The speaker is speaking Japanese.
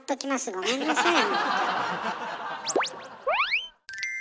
ごめんなさい。